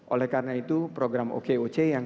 oleh karena itu program okoc yang kami dorong